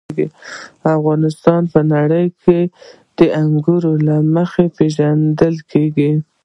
افغانستان په نړۍ کې د انګورو له مخې پېژندل کېږي.